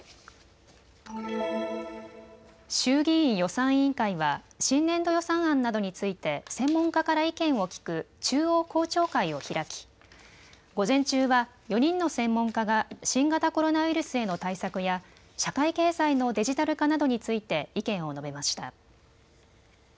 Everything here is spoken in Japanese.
衆議院予算委員会は新年度予算案などについて専門家から意見を聞く中央公聴会を開き午前中は４人の専門家が新型コロナウイルスへの対策や社会経済のデジタル化などについて意見を述べました。